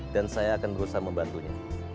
dan saya akan berusaha membantunya